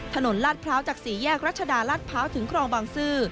ลาดพร้าวจากสี่แยกรัชดาลาดพร้าวถึงคลองบางซื่อ